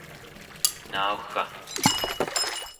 naugga